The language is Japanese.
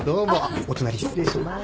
お隣失礼しまーす。